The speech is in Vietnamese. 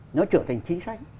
nó trở thành chính sách